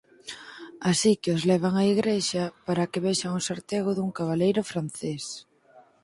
Así que os levan á igrexa para que vexan o sartego dun cabaleiro francés.